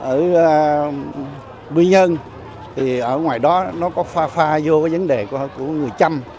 ở nguyên nhân thì ở ngoài đó nó có pha pha vô vấn đề của người chăm